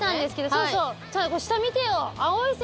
そうそう下見てよ青い線。